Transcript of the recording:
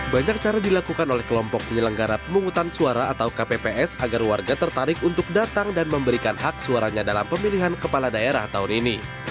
banyak cara dilakukan oleh kelompok penyelenggara pemungutan suara atau kpps agar warga tertarik untuk datang dan memberikan hak suaranya dalam pemilihan kepala daerah tahun ini